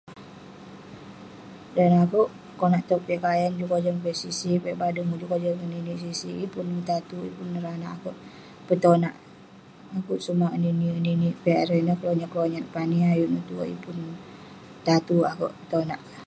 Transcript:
Dan akouk, konak tog piak kayan juk kojam kik sig sig, piak badeng juk kojam kik ninik sig sig. Yeng pun tatuk neh, yeng pun teranak akouk petonak. Akouk sumak ngeninik-ngeninik piak ireh ineh kelonyat kelonyat pani ayuk piak ineh tue. yeng pun tatuk akouk tonak.